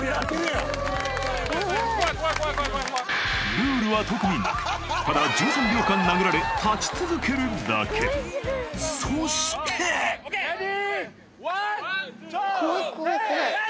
ルールは特になくただ１３秒間殴られ立ち続けるだけそしてレディーワンツースリー！